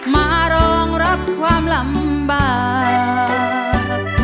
มารองรับความลำบาก